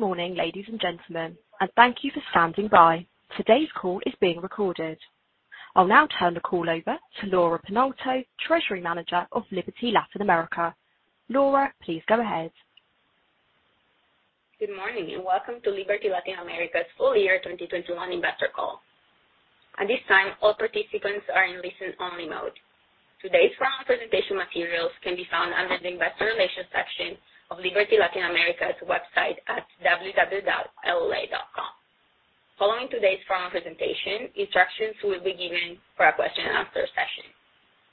Good morning, ladies and gentlemen, and thank you for standing by. Today's call is being recorded. I'll now turn the call over to Laura Pianalto, Senior Manager, Investor Relations, Liberty Latin America. Laura, please go ahead. Good morning, and welcome to Liberty Latin America's full year 2021 investor call. At this time, all participants are in listen-only mode. Today's formal presentation materials can be found under the investor relations section of Liberty Latin America's website at www.lla.com. Following today's formal presentation, instructions will be given for our question and answer session.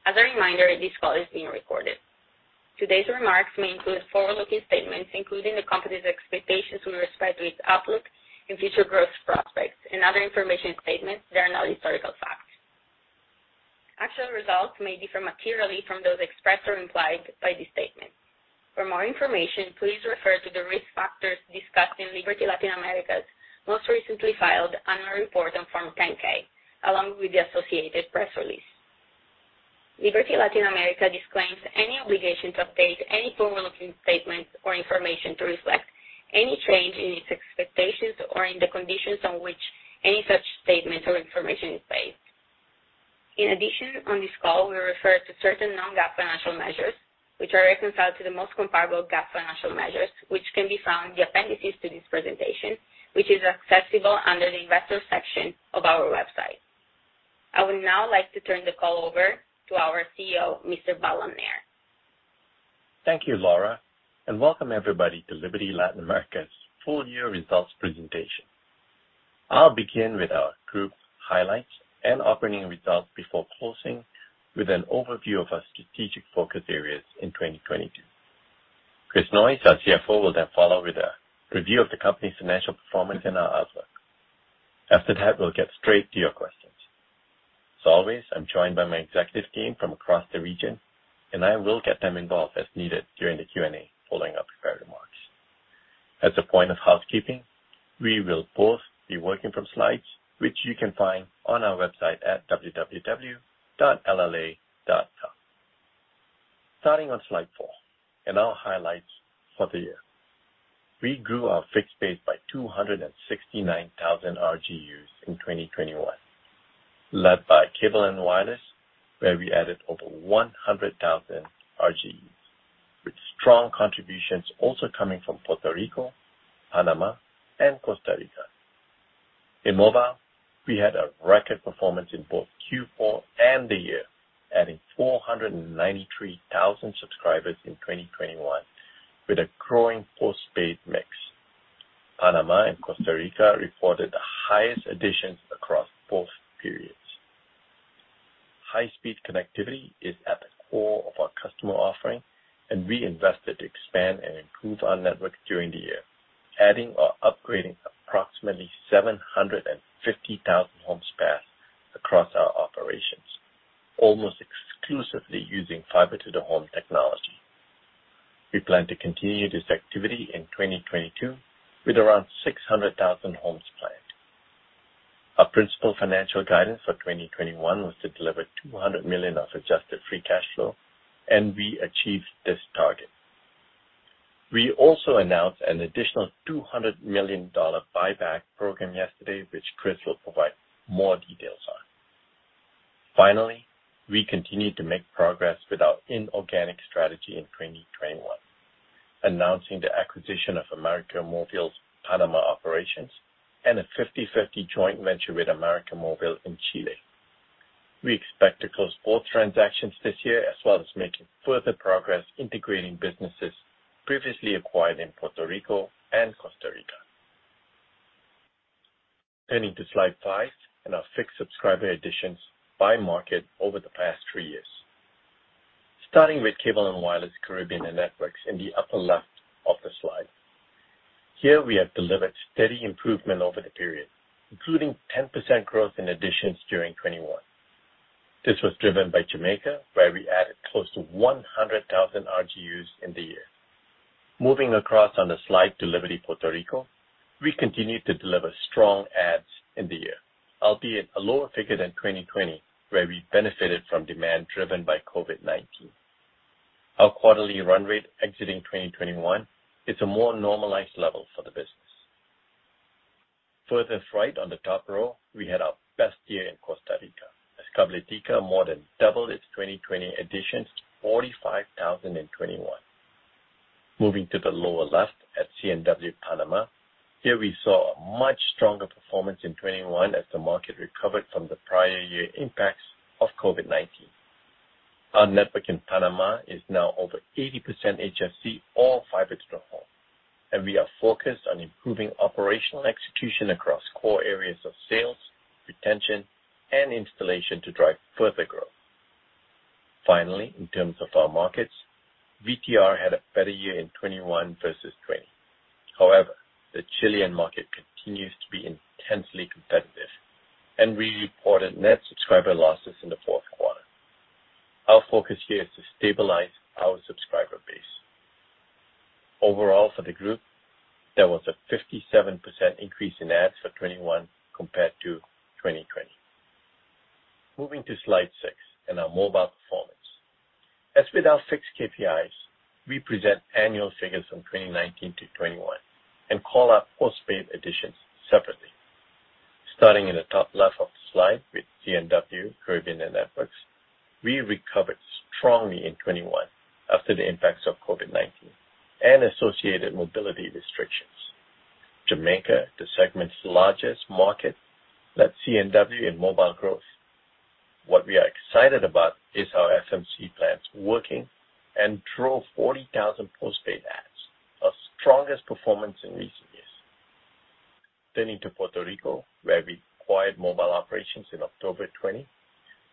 As a reminder, this call is being recorded. Today's remarks may include forward-looking statements, including the company's expectations with respect to its outlook and future growth prospects and other information statements that are not historical facts. Actual results may differ materially from those expressed or implied by these statements. For more information, please refer to the risk factors discussed in Liberty Latin America's most recently filed annual report on form 10-K, along with the associated press release. Liberty Latin America disclaims any obligation to update any forward-looking statements or information to reflect any change in its expectations or in the conditions on which any such statement or information is based. In addition, on this call, we refer to certain non-GAAP financial measures, which are reconciled to the most comparable GAAP financial measures, which can be found in the appendices to this presentation, which is accessible under the investor section of our website. I would now like to turn the call over to our CEO, Mr. Balan Nair. Thank you, Laura, and welcome everybody to Liberty Latin America's full year results presentation. I'll begin with our group highlights and operating results before closing with an overview of our strategic focus areas in 2022. Chris Noyes, our CFO, will then follow with a review of the company's financial performance and our outlook. After that, we'll get straight to your questions. As always, I'm joined by my executive team from across the region, and I will get them involved as needed during the Q&A following our prepared remarks. As a point of housekeeping, we will both be working from slides which you can find on our website at www.lla.com. Starting on slide four and our highlights for the year. We grew our fixed base by 269,000 RGUs in 2021, led by Cable & Wireless, where we added over 100,000 RGUs, with strong contributions also coming from Puerto Rico, Panama, and Costa Rica. In mobile, we had a record performance in both Q4 and the year, adding 493,000 subscribers in 2021, with a growing postpaid mix. Panama and Costa Rica reported the highest additions across both periods. High-speed connectivity is at the core of our customer offering, and we invested to expand and improve our network during the year, adding or upgrading approximately 750,000 homes passed across our operations, almost exclusively using fiber to the home technology. We plan to continue this activity in 2022 with around 600,000 homes planned. Our principal financial guidance for 2021 was to deliver $200 million of adjusted free cash flow, and we achieved this target. We also announced an additional $200 million buyback program yesterday, which Chris will provide more details on. Finally, we continued to make progress with our inorganic strategy in 2021, announcing the acquisition of América Móvil's Panama operations and a 50/50 joint venture with América Móvil in Chile. We expect to close all transactions this year, as well as making further progress integrating businesses previously acquired in Puerto Rico and Costa Rica. Turning to slide five and our fixed subscriber additions by market over the past three years. Starting with Cable & Wireless Caribbean and Networks in the upper left of the slide. Here we have delivered steady improvement over the period, including 10% growth in additions during 2021. This was driven by Jamaica, where we added close to 100,000 RGUs in the year. Moving across on the slide to Liberty Puerto Rico, we continued to deliver strong adds in the year, albeit a lower figure than 2020, where we benefited from demand driven by COVID-19. Our quarterly run rate exiting 2021 is a more normalized level for the business. Furthest right on the top row, we had our best year in Costa Rica as Cabletica more than doubled its 2020 additions to 45,000 in 2021. Moving to the lower left at C&W Panama. Here we saw a much stronger performance in 2021 as the market recovered from the prior year impacts of COVID-19. Our network in Panama is now over 80% HFC, all fiber to the home, and we are focused on improving operational execution across core areas of sales, retention, and installation to drive further growth. Finally, in terms of our markets, VTR had a better year in 2021 versus 2020. However, the Chilean market continues to be intensely competitive, and we reported net subscriber losses in the fourth quarter. Our focus here is to stabilize our subscriber base. Overall, for the group, there was a 57% increase in adds for 2021 compared to 2020. Moving to slide six and our mobile performance. As with our six KPIs, we present annual figures from 2019 to 2021 and call out postpaid additions separately. Starting in the top left of the slide with C&W Caribbean and Networks, we recovered strongly in 2021 after the impacts of COVID-19 and associated mobility restrictions. Jamaica, the segment's largest market, led C&W Caribbean and Networks in mobile growth. What we are excited about is our FMC plans working and drove 40,000 postpaid adds, our strongest performance in recent years. Into Puerto Rico, where we acquired mobile operations in October 2020.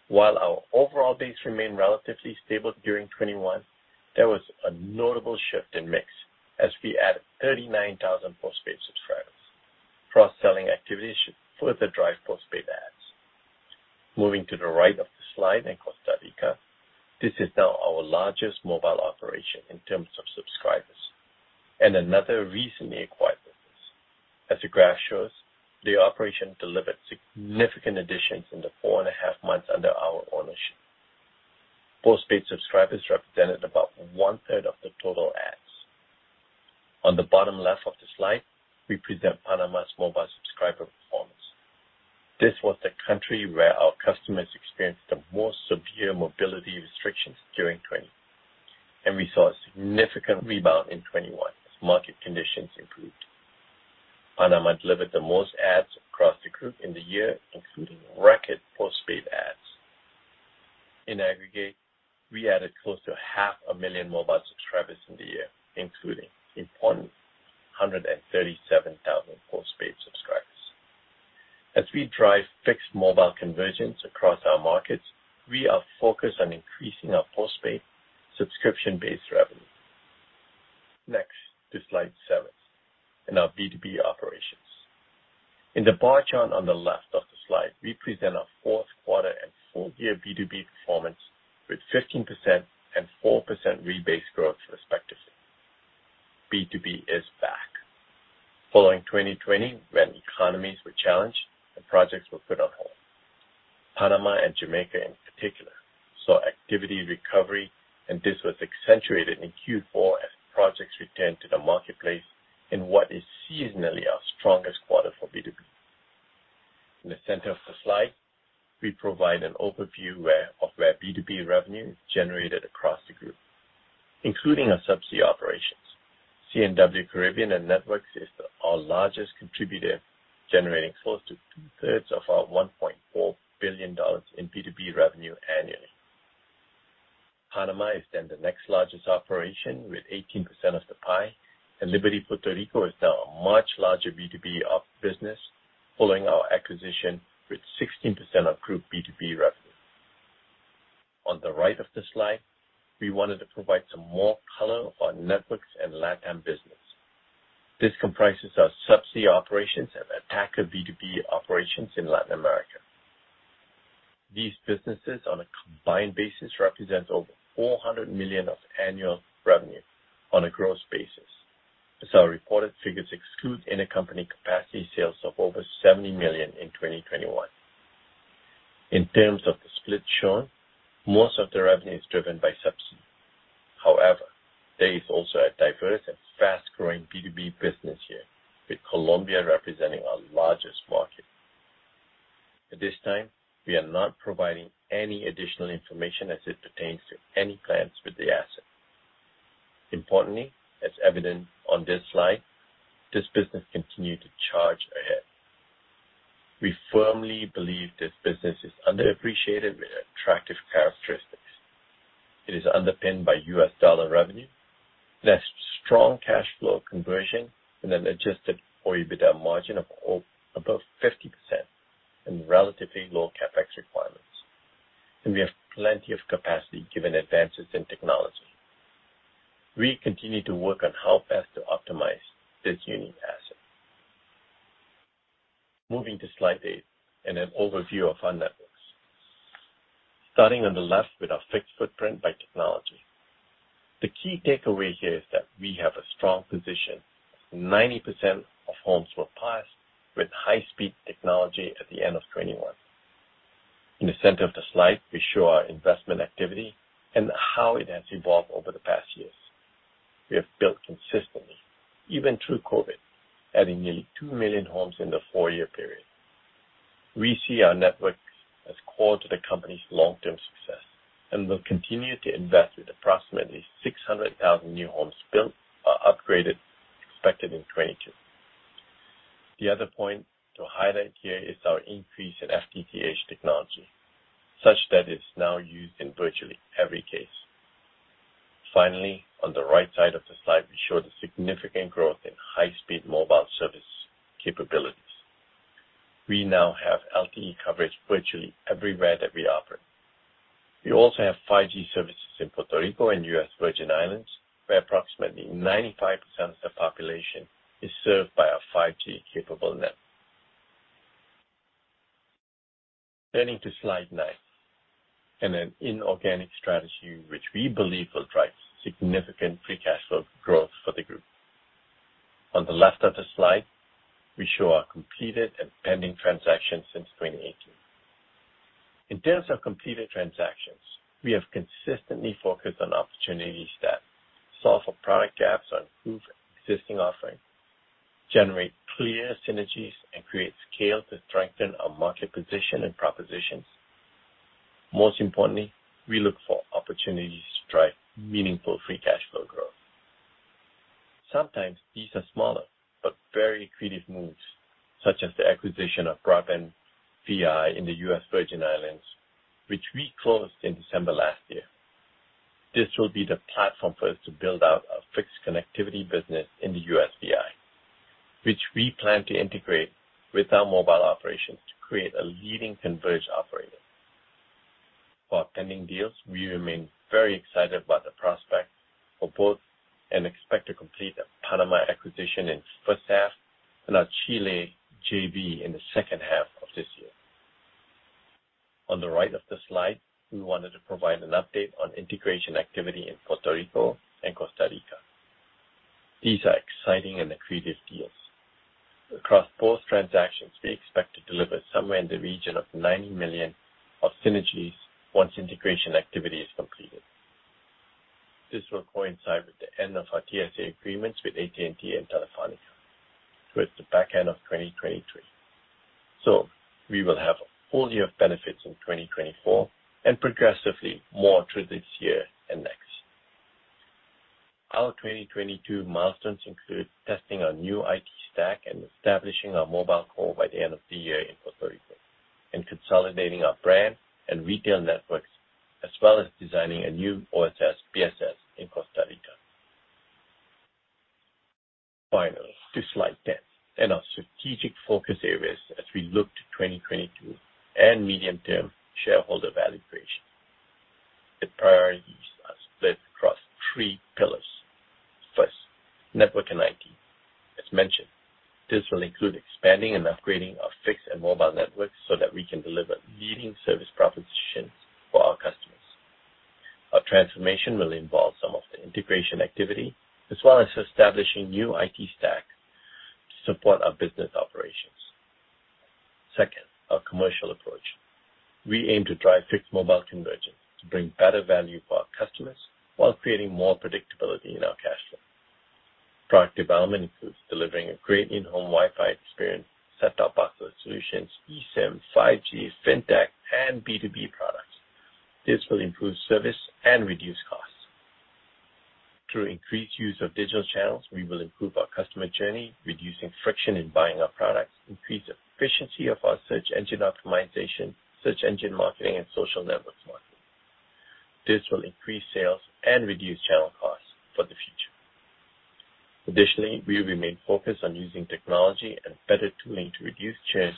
While our overall base remained relatively stable during 2021, there was a notable shift in mix as we added 39,000 postpaid subscribers. Cross-selling activities should further drive postpaid adds. Moving to the right of the slide in Costa Rica, this is now our largest mobile operation in terms of subscribers and another recently acquired business. As the graph shows, the operation delivered significant additions in the 4.5 months under our ownership. Postpaid subscribers represented about one third of the total adds. On the bottom left of the slide, we present Panama's mobile subscriber performance. This was the country where our customers experienced the most severe mobility restrictions during 2020, and we saw a significant rebound in 2021 as market conditions improved. Panama delivered the most adds across the group in the year, including record postpaid adds. In aggregate, we added close to 500,000 mobile subscribers in the year, including 137,000 postpaid subscribers. As we drive fixed mobile conversions across our markets, we are focused on increasing our postpaid subscription-based revenue. Now to slide seven in our B2B operations. In the bar chart on the left of the slide, we present our fourth quarter and full year B2B performance with 15% and 4% rebased growth respectively. B2B is back. Following 2020 when economies were challenged and projects were put on hold. Panama and Jamaica in particular saw activity recovery, and this was accentuated in Q4 as projects returned to the marketplace in what is seasonally our strongest quarter for B2B. In the center of the slide, we provide an overview of where B2B revenue is generated across the group, including our subsea operations. C&W Caribbean and Networks is our largest contributor, generating close to two-thirds of our $1.4 billion in B2B revenue annually. Panama is then the next largest operation with 18% of the pie, and Liberty Puerto Rico is now a much larger B2B business following our acquisition with 16% of group B2B revenue. On the right of the slide, we wanted to provide some more color on networks and LatAm business. This comprises our subsea operations and our B2B operations in Latin America. These businesses on a combined basis represent over $400 million of annual revenue on a gross basis, as our reported figures exclude intercompany capacity sales of over $70 million in 2021. In terms of the split shown, most of the revenue is driven by subsea. However, there is also a diverse and fast-growing B2B business here, with Colombia representing our largest market. At this time, we are not providing any additional information as it pertains to any plans with the asset. Importantly, as evident on this slide, this business continued to charge ahead. We firmly believe this business is underappreciated with attractive characteristics. It is underpinned by U.S. dollar revenue and has strong cash flow conversion and an Adjusted OIBDA margin of above 50% and relatively low CapEx requirements. We have plenty of capacity given advances in technology. We continue to work on how best to optimize this unique asset. Moving to slide 8 and an overview of our networks. Starting on the left with our fixed footprint by technology. The key takeaway here is that we have a strong position. 90% of homes were passed with high-speed technology at the end of 2021. In the center of the slide, we show our investment activity and how it has evolved over the past years. We have built consistently, even through COVID, adding nearly two million homes in the four-year period. We see our network as core to the company's long-term success and will continue to invest with approximately 600,000 new homes built or upgraded expected in 2022. The other point to highlight here is our increase in FTTH technology, such that it's now used in virtually every case. Finally, on the right side of the slide, we show the significant growth in high-speed mobile service capabilities. We now have LTE coverage virtually everywhere that we offer. We also have 5G services in Puerto Rico and U.S. Virgin Islands, where approximately 95% of the population is served by our 5G-capable network. Turning to slide nine, an inorganic strategy which we believe will drive significant free cash flow growth for the group. On the left of the slide, we show our completed and pending transactions since 2018. In terms of completed transactions, we have consistently focused on opportunities that solve for product gaps or improve existing offerings, generate clear synergies, and create scale to strengthen our market position and propositions. Most importantly, we look for opportunities to drive meaningful free cash flow growth. Sometimes these are smaller but very creative moves, such as the acquisition of Broadband VI in the U.S. Virgin Islands, which we closed in December last year. This will be the platform for us to build out our fixed connectivity business in the USVI, which we plan to integrate with our mobile operations to create a leading converged operator. For our pending deals, we remain very excited about the prospect for both and expect to complete the Panama acquisition in first half and our Chile JV in the second half of this year. On the right of the slide, we wanted to provide an update on integration activity in Puerto Rico and Costa Rica. These are exciting and accretive deals. Across both transactions, we expect to deliver somewhere in the region of $90 million of synergies once integration activity is completed. This will coincide with the end of our TSA agreements with AT&T and Telefónica towards the back end of 2023. We will have a full year of benefits in 2024 and progressively more through this year and next. Our 2022 milestones include testing our new IT stack and establishing our mobile core by the end of the year in Puerto Rico, and consolidating our brand and retail networks, as well as designing a new OSS/BSS in Costa Rica. Finally, to slide 10, and our strategic focus areas as we look to 2022 and medium-term shareholder value creation. The priorities are split across three pillars. First, network and IT. As mentioned, this will include expanding and upgrading our fixed and mobile networks so that we can deliver leading service propositions for our customers. Our transformation will involve some of the integration activity as well as establishing new IT stack to support our business operations. Second, our commercial approach. We aim to drive fixed mobile convergence to bring better value for our customers while creating more predictability in our cash flow. Product development includes delivering a great in-home Wi-Fi experience, set-top box solutions, eSIM, 5G, fintech, and B2B products. This will improve service and reduce costs. Through increased use of digital channels, we will improve our customer journey, reducing friction in buying our products, increase efficiency of our search engine optimization, search engine marketing, and social networks marketing. This will increase sales and reduce channel costs for the future. Additionally, we remain focused on using technology and better tooling to reduce churn,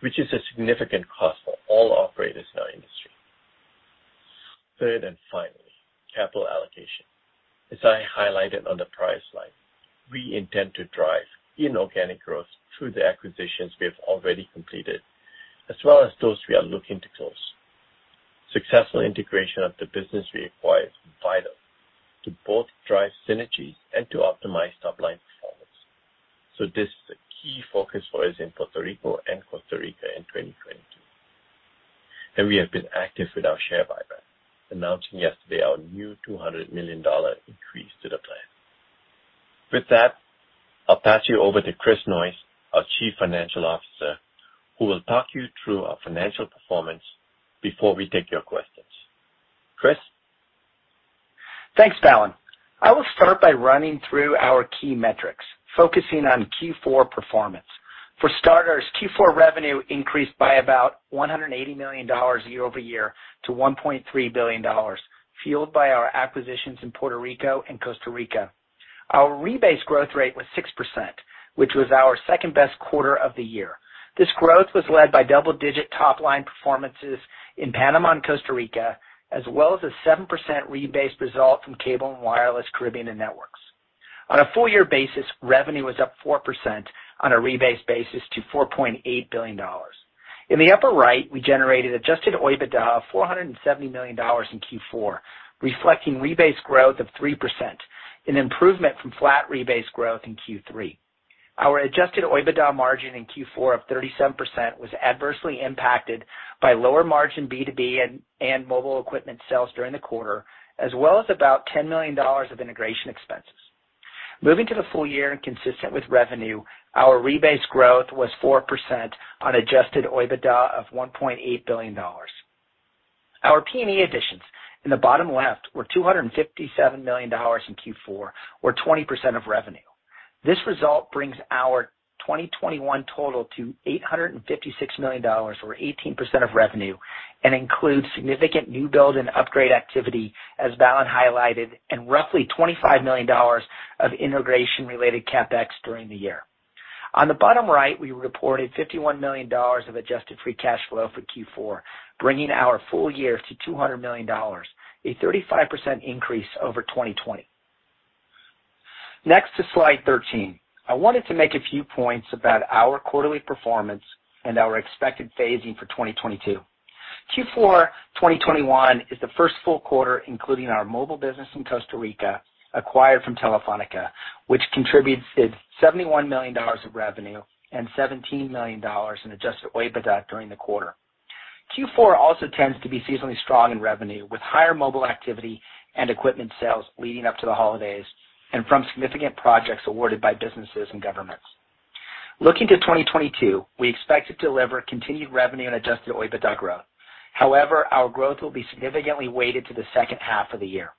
which is a significant cost for all operators in our industry. Third and finally, capital allocation. As I highlighted on the prior slide, we intend to drive inorganic growth through the acquisitions we have already completed, as well as those we are looking to close. Successful integration of the business we acquire is vital to both drive synergies and to optimize top-line performance. This is a key focus for us in Puerto Rico and Costa Rica in 2022. We have been active with our share buyback, announcing yesterday our new $200 million increase to the plan. With that, I'll pass you over to Chris Noyes, our Chief Financial Officer, who will talk you through our financial performance before we take your questions. Chris? Thanks, Balan. I will start by running through our key metrics, focusing on Q4 performance. For starters, Q4 revenue increased by about $180 million year-over-year to $1.3 billion, fueled by our acquisitions in Puerto Rico and Costa Rica. Our rebased growth rate was 6%, which was our second-best quarter of the year. This growth was led by double-digit top-line performances in Panama and Costa Rica, as well as a 7% rebased result from C&W Caribbean and Networks. On a full-year basis, revenue was up 4% on a rebased basis to $4.8 billion. In the upper right, we generated adjusted OIBDA of $470 million in Q4, reflecting rebased growth of 3%, an improvement from flat rebased growth in Q3. Our adjusted OIBDA margin in Q4 of 37% was adversely impacted by lower margin B2B and mobile equipment sales during the quarter, as well as about $10 million of integration expenses. Moving to the full year and consistent with revenue, our rebased growth was 4% on adjusted OIBDA of $1.8 billion. Our P&E additions in the bottom left were $257 million in Q4 or 20% of revenue. This result brings our 2021 total to $856 million or 18% of revenue, and includes significant new build and upgrade activity, as Vallon highlighted, and roughly $25 million of integration-related CapEx during the year. On the bottom right, we reported $51 million of adjusted free cash flow for Q4, bringing our full year to $200 million, a 35% increase over 2020. Next to slide 13. I wanted to make a few points about our quarterly performance and our expected phasing for 2022. Q4 2021 is the first full quarter, including our mobile business in Costa Rica, acquired from Telefónica, which contributed $71 million of revenue and $17 million in adjusted OIBDA during the quarter. Q4 also tends to be seasonally strong in revenue, with higher mobile activity and equipment sales leading up to the holidays and from significant projects awarded by businesses and governments. Looking to 2022, we expect to deliver continued revenue and adjusted OIBDA growth. However, our growth will be significantly weighted to the second half of the year.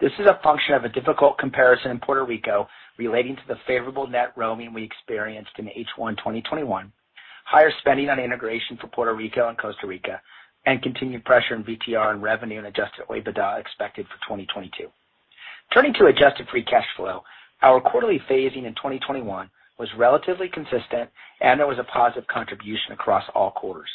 This is a function of a difficult comparison in Puerto Rico relating to the favorable net roaming we experienced in H1 2021, higher spending on integration for Puerto Rico and Costa Rica, and continued pressure in VTR and revenue and adjusted OIBDA expected for 2022. Turning to adjusted free cash flow, our quarterly phasing in 2021 was relatively consistent, and there was a positive contribution across all quarters.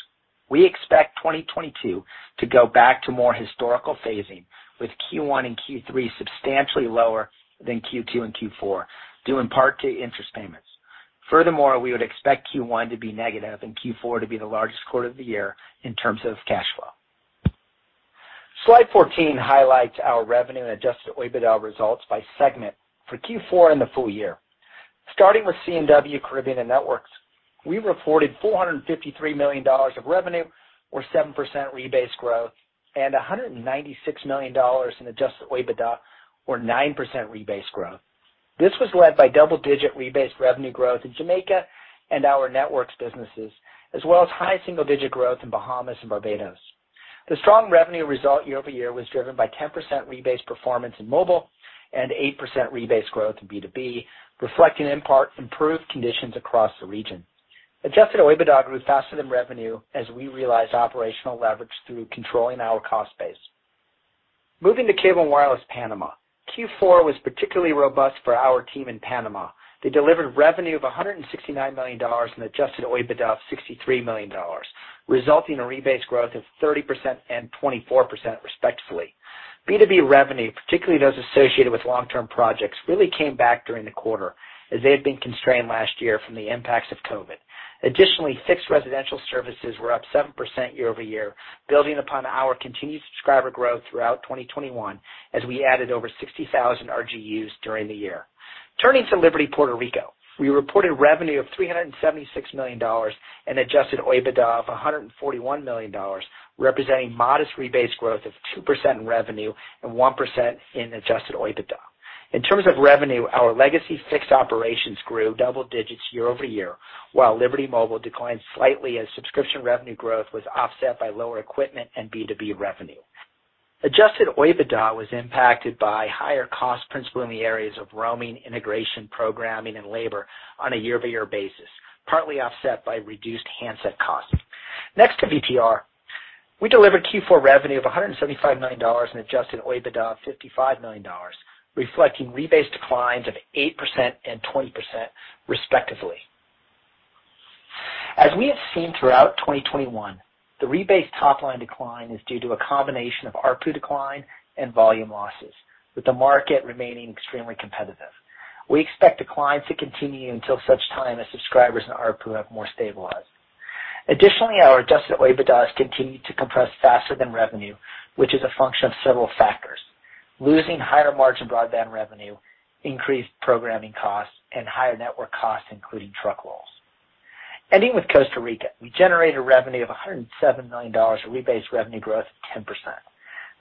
We expect 2022 to go back to more historical phasing, with Q1 and Q3 substantially lower than Q2 and Q4, due in part to interest payments. Furthermore, we would expect Q1 to be negative and Q4 to be the largest quarter of the year in terms of cash flow. Slide 14 highlights our revenue and adjusted OIBDA results by segment for Q4 and the full year. Starting with C&W Caribbean and Networks, we reported $453 million of revenue, or 7% rebased growth, and $196 million in adjusted OIBDA, or 9% rebased growth. This was led by double-digit rebased revenue growth in Jamaica and our networks businesses, as well as high single-digit growth in Bahamas and Barbados. The strong revenue result year-over-year was driven by 10% rebased performance in mobile and 8% rebased growth in B2B, reflecting in part improved conditions across the region. Adjusted OIBDA grew faster than revenue as we realized operational leverage through controlling our cost base. Moving to Cable & Wireless Panama. Q4 was particularly robust for our team in Panama. They delivered revenue of $169 million and adjusted OIBDA of $63 million, resulting in rebased growth of 30% and 24%, respectively. B2B revenue, particularly those associated with long-term projects, really came back during the quarter as they had been constrained last year from the impacts of COVID. Additionally, fixed residential services were up 7% year-over-year, building upon our continued subscriber growth throughout 2021 as we added over 60,000 RGUs during the year. Turning to Liberty Puerto Rico, we reported revenue of $376 million and adjusted OIBDA of $141 million, representing modest rebased growth of 2% in revenue and 1% in adjusted OIBDA. In terms of revenue, our legacy fixed operations grew double digits year-over-year, while Liberty Mobile declined slightly as subscription revenue growth was offset by lower equipment and B2B revenue. Adjusted OIBDA was impacted by higher costs, principally in the areas of roaming, integration, programming, and labor on a year-over-year basis, partly offset by reduced handset costs. Next to VTR, we delivered Q4 revenue of $175 million and adjusted OIBDA of $55 million, reflecting rebased declines of 8% and 20%, respectively. As we have seen throughout 2021, the rebased top line decline is due to a combination of ARPU decline and volume losses, with the market remaining extremely competitive. We expect declines to continue until such time as subscribers and ARPU have more stabilized. Additionally, our adjusted OIBDAs continue to compress faster than revenue, which is a function of several factors, losing higher margin broadband revenue, increased programming costs, and higher network costs, including truck rolls. Ending with Costa Rica, we generated revenue of $107 million, a rebased revenue growth of 10%.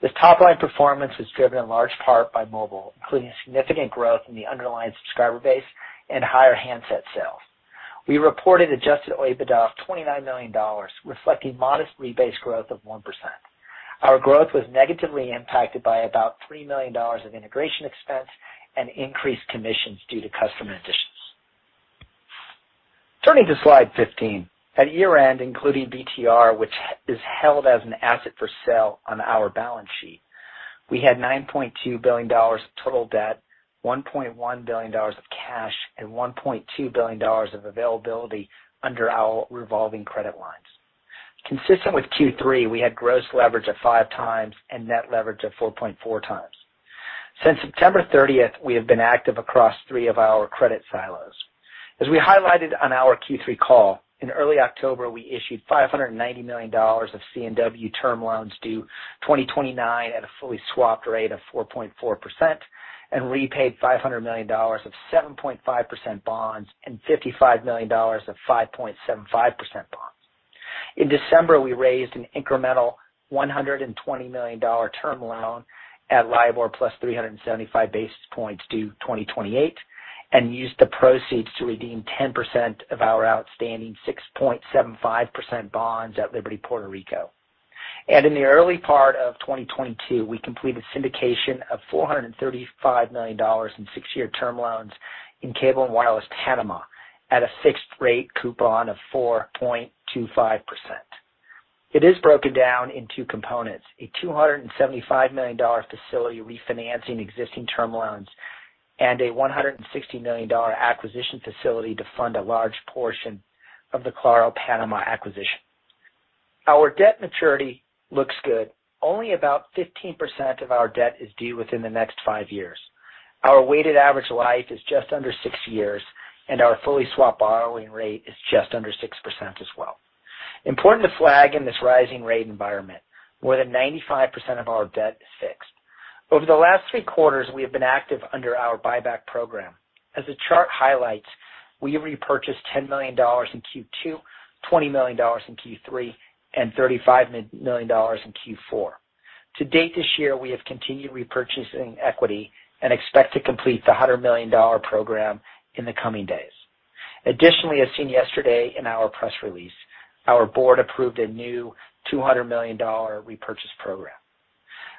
This top-line performance was driven in large part by mobile, including significant growth in the underlying subscriber base and higher handset sales. We reported adjusted OIBDA of $29 million, reflecting modest rebased growth of 1%. Our growth was negatively impacted by about $3 million of integration expense and increased commissions due to customer additions. Turning to slide 15. At year-end, including VTR, which is held as an asset for sale on our balance sheet, we had $9.2 billion total debt, $1.1 billion of cash, and $1.2 billion of availability under our revolving credit lines. Consistent with Q3, we had gross leverage of 5x and net leverage of 4.4x. Since September 30th, we have been active across three of our credit silos. As we highlighted on our Q3 call, in early October, we issued $590 million of C&W term loans due 2029 at a fully swapped rate of 4.4% and repaid $500 million of 7.5% bonds and $55 million of 5.75% bonds. In December, we raised an incremental $120 million term loan at LIBOR plus 375 basis points due 2028 and used the proceeds to redeem 10% of our outstanding 6.75% bonds at Liberty Puerto Rico. In the early part of 2022, we completed syndication of $435 million in 6-year term loans in Cable & Wireless Panamá at a fixed rate coupon of 4.25%. It is broken down into two components, a $275 million facility refinancing existing term loans and a $160 million acquisition facility to fund a large portion of the Claro Panamá acquisition. Only about 15% of our debt is due within the next five years. Our weighted average life is just under six years, and our fully swapped borrowing rate is just under 6% as well. Important to flag in this rising rate environment, more than 95% of our debt is fixed. Over the last three quarters, we have been active under our buyback program. As the chart highlights, we repurchased $10 million in Q2, $20 million in Q3, and $35 million in Q4. To date this year, we have continued repurchasing equity and expect to complete the $100 million program in the coming days. Additionally, as seen yesterday in our press release, our Board approved a new $200 million repurchase program.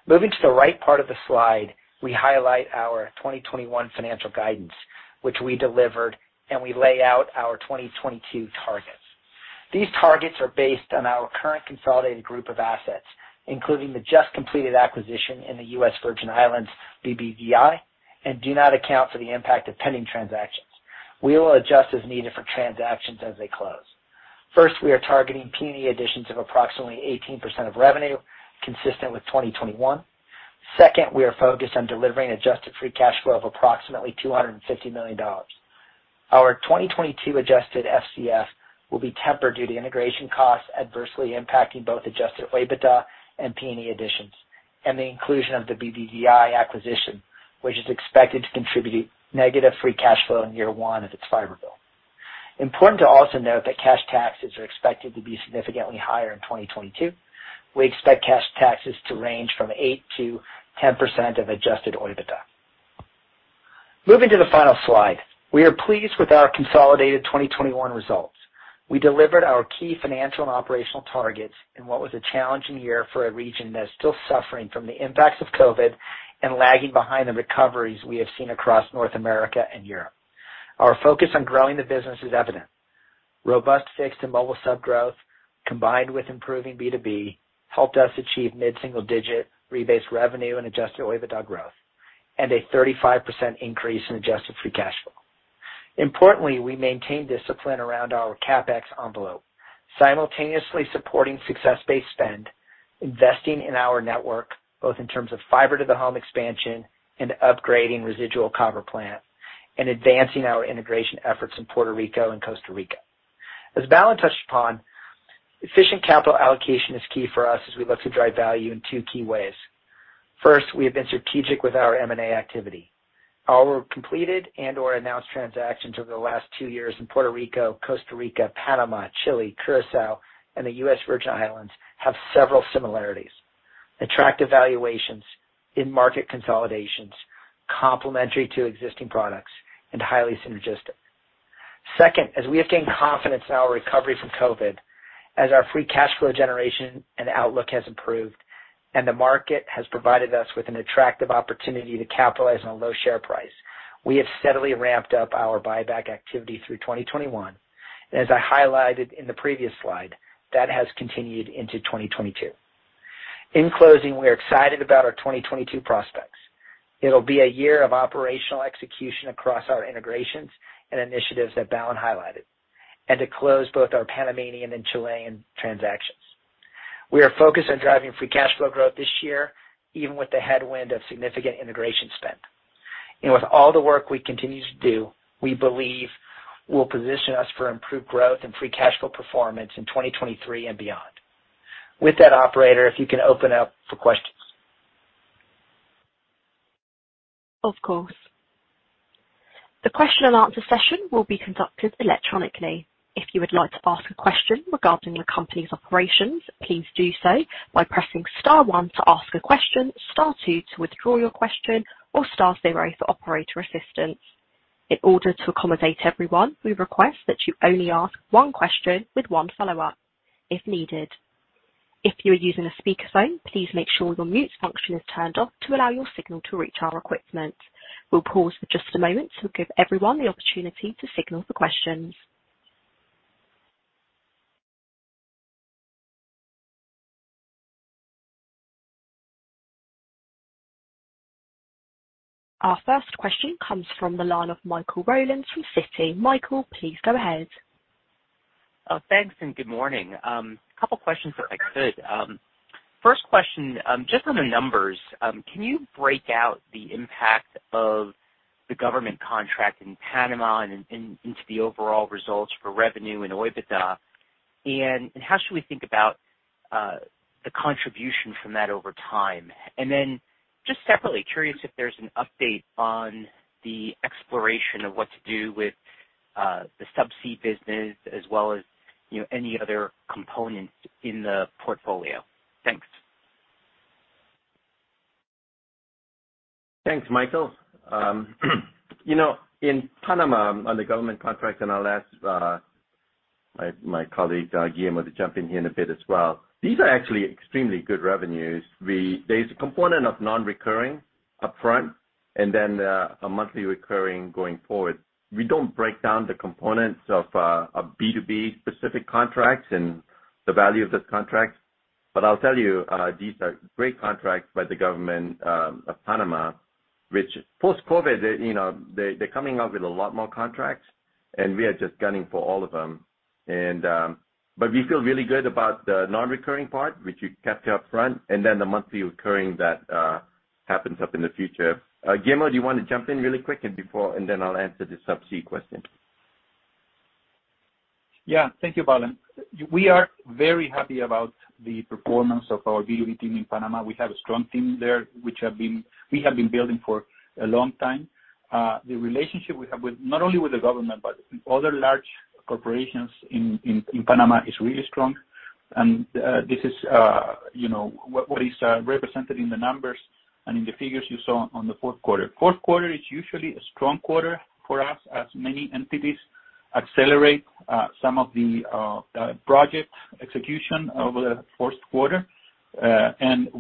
Moving to the right part of the slide, we highlight our 2021 financial guidance, which we delivered, and we lay out our 2022 targets. These targets are based on our current consolidated group of assets, including the just completed acquisition in the U.S. Virgin Islands, Broadband VI, and do not account for the impact of pending transactions. We will adjust as needed for transactions as they close. First, we are targeting P&E additions of approximately 18% of revenue, consistent with 2021. Second, we are focused on delivering adjusted free cash flow of approximately $250 million. Our 2022 Adjusted FCF will be tempered due to integration costs adversely impacting both adjusted OIBDA and P&E additions and the inclusion of the Broadband VI acquisition, which is expected to contribute negative free cash flow in year one of its fiber build. Important to also note that cash taxes are expected to be significantly higher in 2022. We expect cash taxes to range from 8%-10% of adjusted OIBDA. Moving to the final slide. We are pleased with our consolidated 2021 results. We delivered our key financial and operational targets in what was a challenging year for a region that is still suffering from the impacts of COVID and lagging behind the recoveries we have seen across North America and Europe. Our focus on growing the business is evident. Robust fixed and mobile sub growth, combined with improving B2B, helped us achieve mid-single digit rebased revenue and adjusted OIBDA growth, and a 35% increase in adjusted free cash flow. Importantly, we maintain discipline around our CapEx envelope, simultaneously supporting success-based spend, investing in our network, both in terms of fiber to the home expansion and upgrading residual copper plant, and advancing our integration efforts in Puerto Rico and Costa Rica. As Balan touched upon, efficient capital allocation is key for us as we look to drive value in two key ways. First, we have been strategic with our M&A activity. Our completed and/or announced transactions over the last two years in Puerto Rico, Costa Rica, Panama, Chile, Curaçao, and the U.S. Virgin Islands have several similarities, attractive valuations in market consolidations, complementary to existing products, and highly synergistic. Second, as we have gained confidence in our recovery from COVID, as our free cash flow generation and outlook has improved, and the market has provided us with an attractive opportunity to capitalize on a low share price, we have steadily ramped up our buyback activity through 2021. As I highlighted in the previous slide, that has continued into 2022. In closing, we are excited about our 2022 prospects. It'll be a year of operational execution across our integrations and initiatives that Balan highlighted, and to close both our Panamanian and Chilean transactions. We are focused on driving free cash flow growth this year, even with the headwind of significant integration spend. With all the work we continue to do, we believe will position us for improved growth and free cash flow performance in 2023 and beyond. With that, operator, if you can open up for questions. Of course. The question and answer session will be conducted electronically. If you would like to ask a question regarding the company's operations, please do so by pressing star one to ask a question, star two to withdraw your question, or star zero for operator assistance. In order to accommodate everyone, we request that you only ask one question with one follow-up, if needed. If you are using a speakerphone, please make sure your mute function is turned off to allow your signal to reach our equipment. We'll pause for just a moment to give everyone the opportunity to signal for questions. Our first question comes from the line of Michael Rollins from Citi. Michael, please go ahead. Thanks, and good morning. A couple questions if I could. First question, just on the numbers, can you break out the impact of the government contract in Panama into the overall results for revenue and OIBDA? How should we think about the contribution from that over time? Just separately, curious if there's an update on the exploration of what to do with the subsea business as well as, you know, any other components in the portfolio. Thanks. Thanks, Michael. You know, in Panama on the government contract and I'll ask my colleague, Guillermo to jump in here in a bit as well. These are actually extremely good revenues. There's a component of non-recurring upfront and then a monthly recurring going forward. We don't break down the components of a B2B specific contracts and the value of this contract, but I'll tell you, these are great contracts by the government of Panama. Which post-COVID, they, you know, they're coming out with a lot more contracts, and we are just gunning for all of them. But we feel really good about the non-recurring part, which we captured up front, and then the monthly recurring that happens up in the future. Guillermo, do you wanna jump in really quick, and then I'll answer the Subsea question. Yeah. Thank you, Balan. We are very happy about the performance of our B2B team in Panama. We have a strong team there, we have been building for a long time. The relationship we have not only with the government, but with other large corporations in Panama is really strong. This is, you know, what is represented in the numbers and in the figures you saw in the fourth quarter. Fourth quarter is usually a strong quarter for us as many entities accelerate some of the project execution over the first quarter.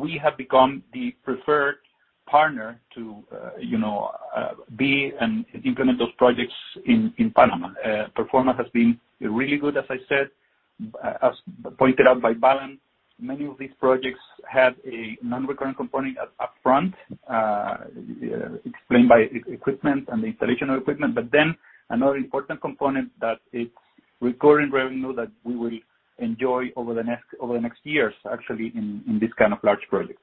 We have become the preferred partner to bid and implement those projects in Panama. Performance has been really good, as I said. As pointed out by Balan, many of these projects have a non-recurring component up front, explained by equipment and the installation of equipment. But then another important component that it's recurring revenue that we will enjoy over the next years, actually, in this kind of large project.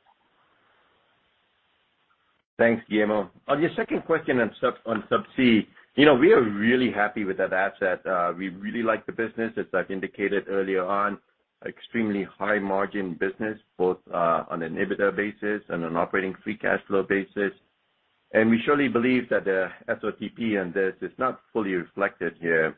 Thanks, Guillermo. On your second question on Subsea, you know, we are really happy with that asset. We really like the business. As I've indicated earlier on, extremely high margin business, both on an EBITDA basis and an operating free cash flow basis. We surely believe that the SOTP on this is not fully reflected here.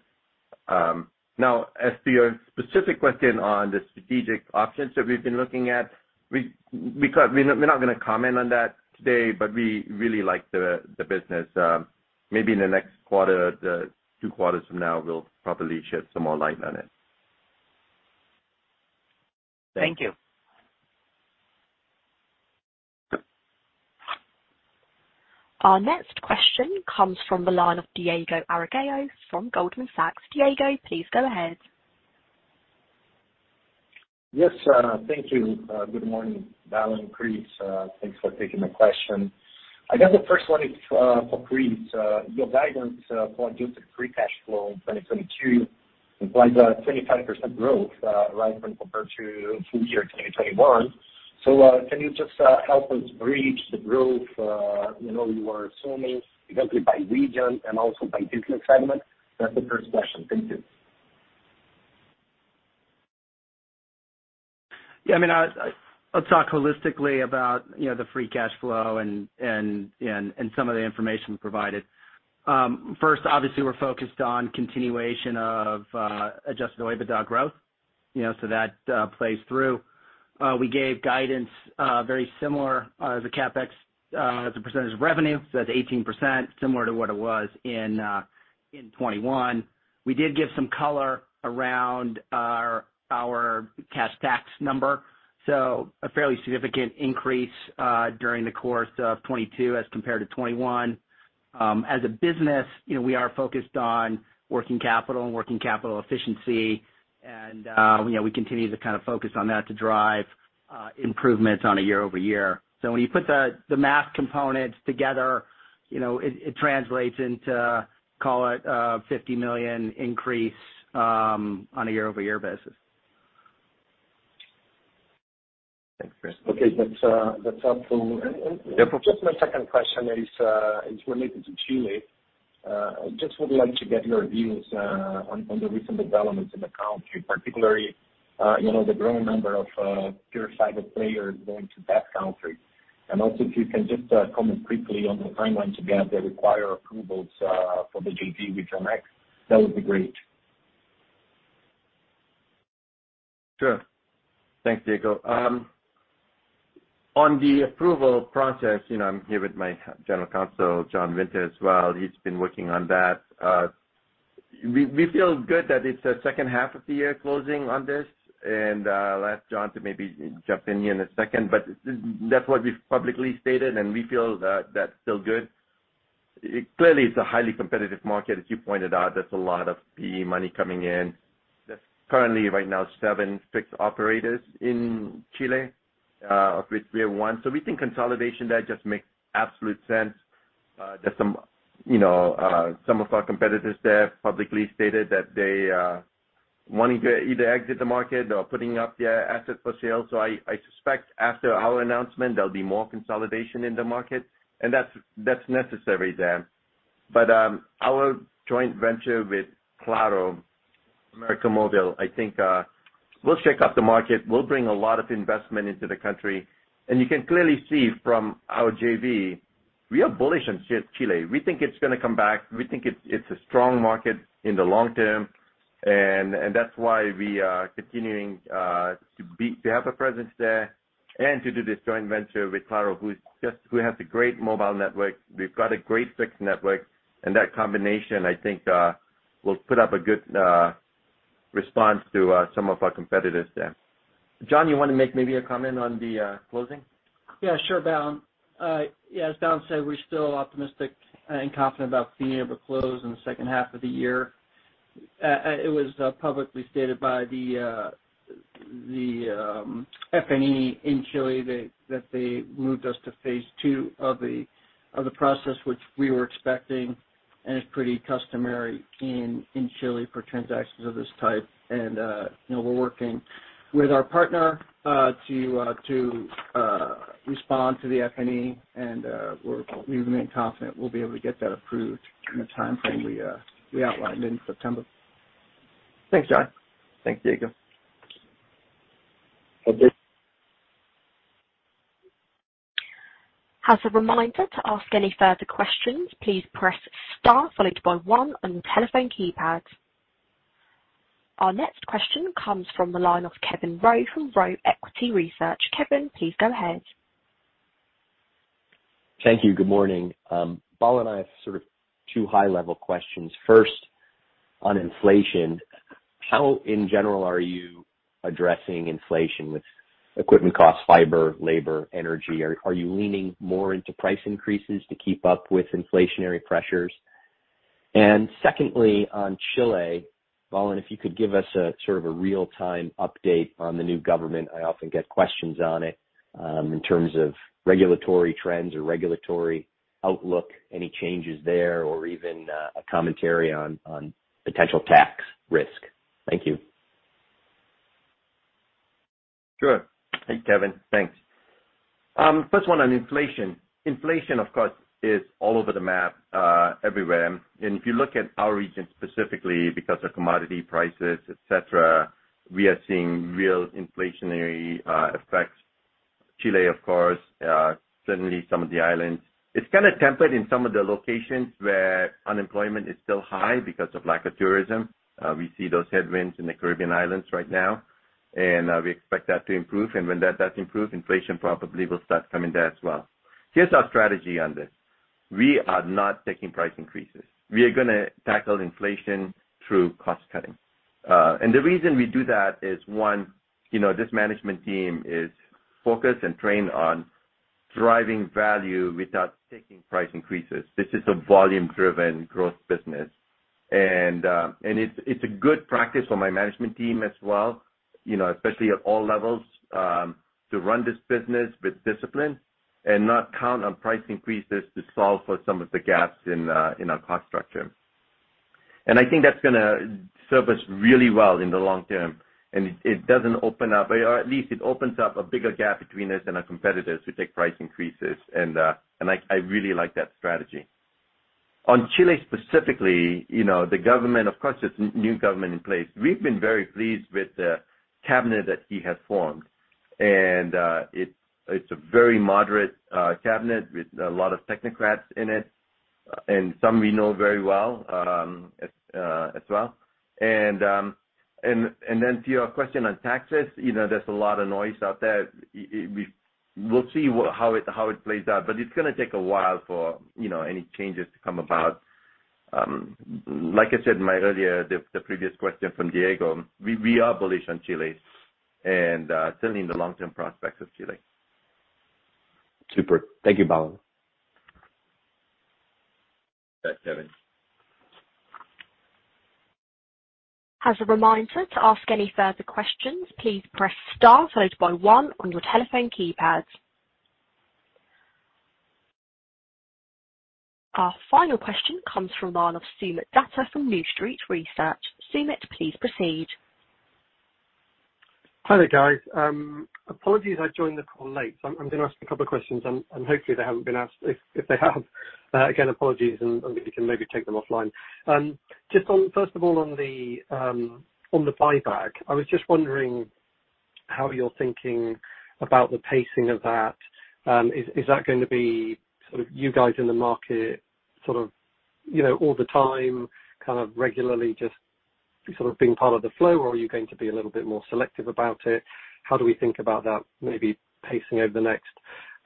Now as to your specific question on the strategic options that we've been looking at, we're not gonna comment on that today, but we really like the business. Maybe in the next quarter, the two quarters from now, we'll probably shed some more light on it. Thank you. Our next question comes from the line of Diego Aragao from Goldman Sachs. Diego, please go ahead. Yes, thank you. Good morning, Balan, Chris. Thanks for taking the question. I guess the first one is for Chris. Your guidance for adjusted free cash flow in 2022 implies a 25% growth, right, when compared to full year 2021. Can you just help us bridge the growth, you know, you are assuming, exactly by region and also by business segment? That's the first question. Thank you. Yeah, I mean, I'll talk holistically about, you know, the free cash flow and some of the information provided. First, obviously, we're focused on continuation of adjusted OIBDA growth, you know, so that plays through. We gave guidance very similar as a CapEx as a percentage of revenue, so that's 18%, similar to what it was in 2021. We did give some color around our cash tax number, so a fairly significant increase during the course of 2022 as compared to 2021. As a business, you know, we are focused on working capital and working capital efficiency, and, you know, we continue to kind of focus on that to drive improvements on a year-over-year. When you put the math components together, you know, it translates into, call it, a $50 million increase on a year-over-year basis. Thanks, Chris. Okay. That's helpful. Just my second question is related to Chile. I just would like to get your views on the recent developments in the country, particularly, you know, the growing number of pure fiber players going to that country. Also, if you can just comment briefly on the timeline to get the required approvals for the JV with América Móvil, that would be great. Sure. Thanks, Diego. On the approval process, you know, I'm here with my General Counsel, John Winter as well. He's been working on that. We feel good that it's the second half of the year closing on this. I'll ask John to maybe jump in here in a second, but that's what we've publicly stated, and we feel that that's still good. Clearly, it's a highly competitive market, as you pointed out. There's a lot of PE money coming in. There's currently right now seven fixed operators in Chile, of which we have one. We think consolidation there just makes absolute sense. There's some of our competitors there publicly stated that they wanting to either exit the market or putting up their asset for sale. I suspect after our announcement, there'll be more consolidation in the market, and that's necessary there. Our joint venture with Claro, América Móvil, I think, will shake up the market, will bring a lot of investment into the country. You can clearly see from our JV, we are bullish on Chile. We think it's gonna come back. We think it's a strong market in the long term. That's why we are continuing to have a presence there and to do this joint venture with Claro, who has a great mobile network. We've got a great fixed network. That combination, I think, will put up a good response to some of our competitors there. John, you wanna make maybe a comment on the closing? Yeah, sure, Balan. Yeah, as Balan said, we're still optimistic and confident about being able to close in the second half of the year. It was publicly stated by the FNE in Chile that they moved us to phase II of the process which we were expecting, and it's pretty customary in Chile for transactions of this type. You know, we're working with our partner to respond to the FNE and we remain confident we'll be able to get that approved in the timeframe we outlined in September. Thanks, John. Thanks, Diego. As a reminder, to ask any further questions, please press star followed by one on your telephone keypad. Our next question comes from the line of Kevin Roe from Roe Equity Research. Kevin, please go ahead. Thank you. Good morning. Bal and I have sort of two high-level questions. First, on inflation, how in general are you addressing inflation with equipment costs, fiber, labor, energy? Are you leaning more into price increases to keep up with inflationary pressures? Secondly, on Chile, Bal, if you could give us a sort of a real-time update on the new government. I often get questions on it in terms of regulatory trends or regulatory outlook, any changes there or even a commentary on potential tax risk. Thank you. Sure. Hey, Kevin. Thanks. First one on inflation. Inflation, of course, is all over the map, everywhere. If you look at our region specifically because of commodity prices, et cetera, we are seeing real inflationary, effects. Chile, of course, certainly some of the islands. It's kinda tempered in some of the locations where unemployment is still high because of lack of tourism. We see those headwinds in the Caribbean islands right now, and we expect that to improve. When that does improve, inflation probably will start coming down as well. Here's our strategy on this. We are not taking price increases. We are gonna tackle inflation through cost cutting. The reason we do that is, one, you know, this management team is focused and trained on driving value without taking price increases. This is a volume-driven growth business. It's a good practice for my management team as well, you know, especially at all levels, to run this business with discipline and not count on price increases to solve for some of the gaps in our cost structure. I think that's gonna serve us really well in the long term. It doesn't open up or at least it opens up a bigger gap between us and our competitors who take price increases. I really like that strategy. On Chile specifically, you know, the government, of course, it's a new government in place. We've been very pleased with the cabinet that he has formed. It's a very moderate cabinet with a lot of technocrats in it, and some we know very well, as well. To your question on taxes, you know, there's a lot of noise out there. We'll see how it plays out, but it's gonna take a while for, you know, any changes to come about. Like I said, in my earlier, the previous question from Diego, we are bullish on Chile and certainly in the long-term prospects of Chile. Super. Thank you, Bal. Thanks, Kevin. As a reminder, to ask any further questions, please press star followed by one on your telephone keypad. Our final question comes from line of Soomit Datta from New Street Research. Soomit, please proceed. Hi there, guys. Apologies I joined this call late. I'm gonna ask a couple of questions and hopefully they haven't been asked. If they have, again, apologies and we can maybe take them offline. Just on, first of all, on the buyback, I was just wondering how you're thinking about the pacing of that. Is that going to be sort of you guys in the market sort of, you know, all the time, kind of regularly just sort of being part of the flow, or are you going to be a little bit more selective about it? How do we think about that maybe pacing over the next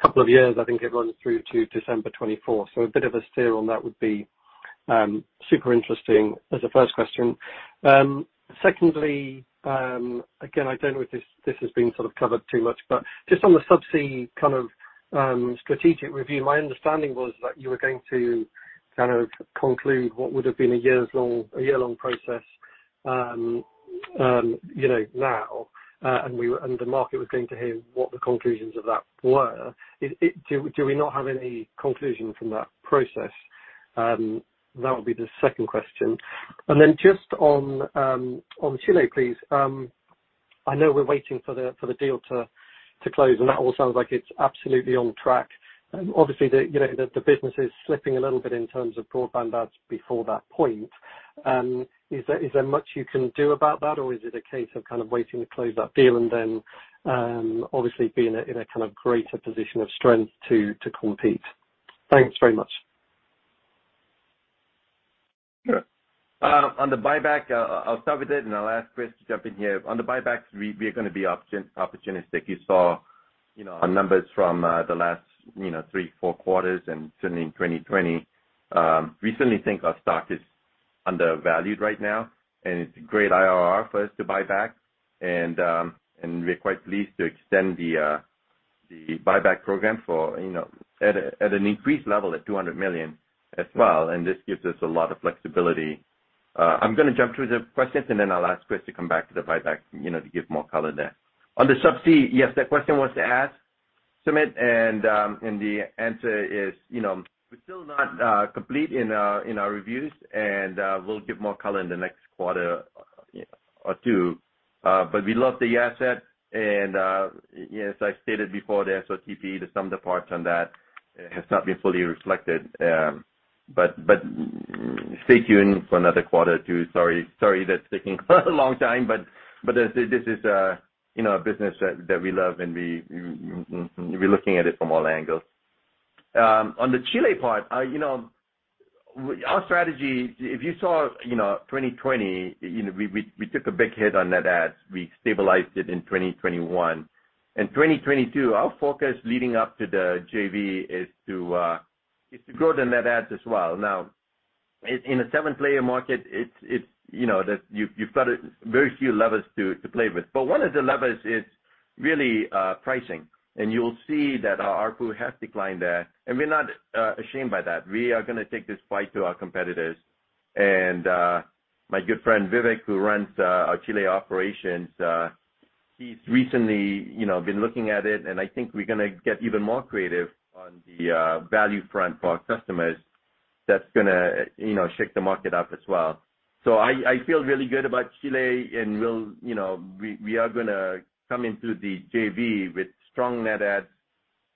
couple of years? I think it runs through to December 2024. A bit of a steer on that would be super interesting as a first question. Secondly, again, I don't know if this has been sort of covered too much, but just on the subsea kind of strategic review, my understanding was that you were going to kind of conclude a year-long process, you know, now, and the market was going to hear what the conclusions of that were. Do we not have any conclusion from that process? That would be the second question. Just on Chile, please. I know we're waiting for the deal to close, and that all sounds like it's absolutely on track. Obviously, you know, the business is slipping a little bit in terms of broadband adds before that point. Is there much you can do about that, or is it a case of kind of waiting to close that deal and then obviously being in a kind of greater position of strength to compete? Thanks very much. Sure. On the buyback, I'll start with it, and I'll ask Chris to jump in here. On the buybacks, we are gonna be opportunistic. You saw, you know, our numbers from the last, you know, three, four quarters and certainly in 2020. We certainly think our stock is undervalued right now, and it's a great IRR for us to buy back. We're quite pleased to extend the buyback program for, you know, at an increased level at $200 million as well. This gives us a lot of flexibility. I'm gonna jump through the questions and then I'll ask Chris to come back to the buyback, you know, to give more color there. On the Subsea, yes, that question was asked, Soomit, and the answer is, you know, we're still not complete in our reviews, and we'll give more color in the next quarter or two. But we love the asset, and yes, I stated before the SOTP, the sum of the parts on that has not been fully reflected. But stay tuned for another quarter or two. Sorry that's taking a long time, but this is, you know, a business that we love and we're looking at it from all angles. On the Chile part, you know, our strategy, if you saw 2020, you know, we took a big hit on net adds. We stabilized it in 2021. In 2022, our focus leading up to the JV is to grow the net adds as well. Now, in a seven-player market, it's, you know, you've got very few levers to play with. But one of the levers is really pricing. You'll see that our ARPU has declined there. We're not ashamed by that. We are gonna take this fight to our competitors. My good friend, Vivek, who runs our Chile operations, he's recently, you know, been looking at it, and I think we're gonna get even more creative on the value front for our customers that's gonna, you know, shake the market up as well. I feel really good about Chile and we'll, you know, we are gonna come into the JV with strong net adds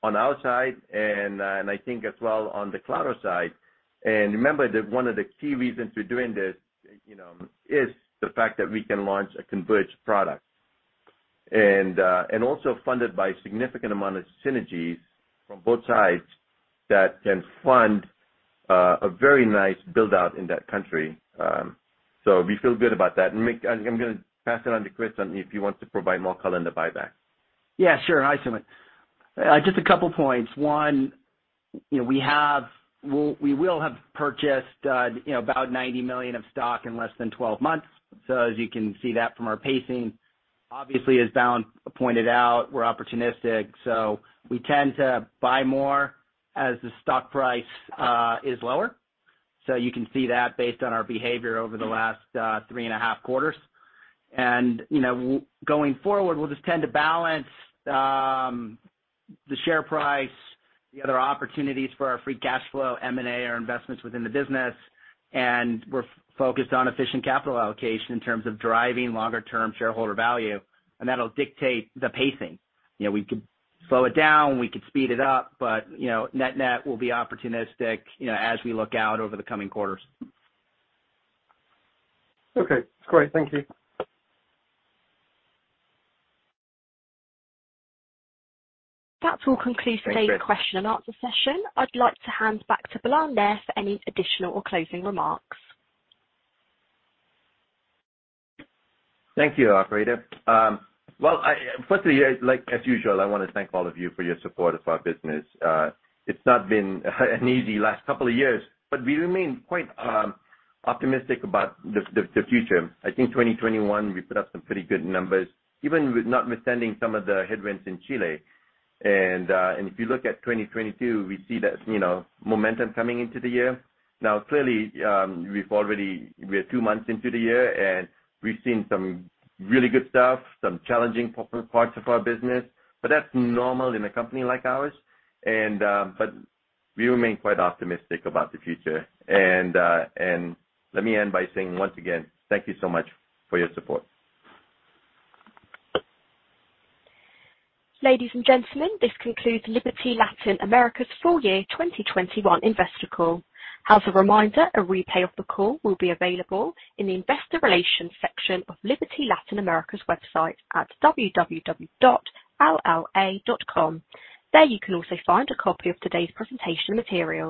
on our side and I think as well on the Claro side. Remember that one of the key reasons we're doing this, you know, is the fact that we can launch a converged product. Also funded by a significant amount of synergies from both sides that can fund a very nice build-out in that country. We feel good about that. I'm gonna pass it on to Chris if he wants to provide more color on the buyback. Yeah, sure. Hi, Soomit. Just a couple points. One, you know, we will have purchased about $90 million of stock in less than 12 months. As you can see that from our pacing, obviously, as Balan pointed out, we're opportunistic, so we tend to buy more as the stock price is lower. You can see that based on our behavior over the last 3.5 quarters. Going forward, we'll just tend to balance the share price, the other opportunities for our free cash flow, M&A, our investments within the business, and we're focused on efficient capital allocation in terms of driving long-term shareholder value, and that'll dictate the pacing. You know, we could slow it down, we could speed it up, but, you know, net-net will be opportunistic, you know, as we look out over the coming quarters. Okay, great. Thank you. That concludes. Thank you. That concludes today's question and answer session. I'd like to hand back to Balan there for any additional or closing remarks. Thank you, operator. Well, firstly, like as usual, I wanna thank all of you for your support of our business. It's not been an easy last couple of years, but we remain quite optimistic about the future. I think 2021, we put up some pretty good numbers, even with notwithstanding some of the headwinds in Chile. If you look at 2022, we see that, you know, momentum coming into the year. Now, clearly, we are two months into the year, and we've seen some really good stuff, some challenging parts of our business, but that's normal in a company like ours. We remain quite optimistic about the future. Let me end by saying once again, thank you so much for your support. Ladies and gentlemen, this concludes Liberty Latin America's full year 2021 investor call. As a reminder, a replay of the call will be available in the investor relations section of Liberty Latin America's website at www.lla.com. There you can also find a copy of today's presentation materials.